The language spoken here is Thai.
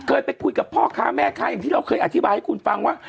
เคยไปคุยกับพ่อค้าแม่ค้าอย่างที่เราเคยอธิบายให้คุณฟังว่า